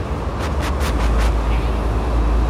Zei bantuk zawtnak dah nan inn chungkhar nih nan ngeih tawn?